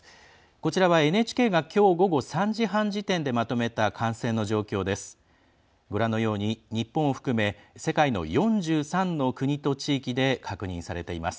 こちらはＮＨＫがきょう午後３時半時点でまとめた感染の状況です。